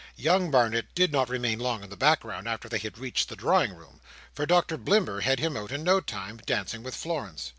Young Barnet did not remain long in the background after they had reached the drawing room, for Dr Blimber had him out in no time, dancing with Florence.